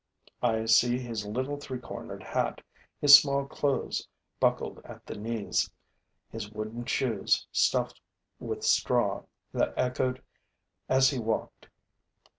I see his little three cornered hat, his small clothes buckled at the knees, his wooden shoes, stuffed with straw, that echoed as he walked.